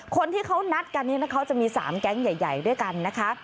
คนที่เขานัดกันเขาจะมี๓แก๊งใหญ่ด้วยกันนะคะ